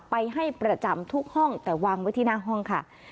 ไปให้ประจำทุกห้องแต่วางไว้ที่หน้าห้องค่ะ